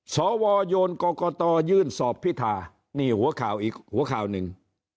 สวยนกรกตยื่นสอบพิธานี่หัวข่าวอีกหัวข่าวหนึ่ง